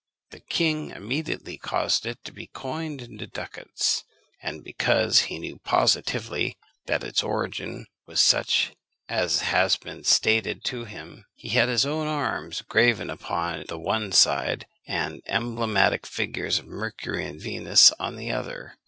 The king immediately caused it to be coined into ducats; and because he knew positively that its origin was such as had been stated to him, he had his own arms graven upon the one side, and emblematical figures of Mercury and Venus on the other.